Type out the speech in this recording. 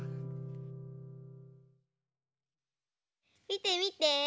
みてみて。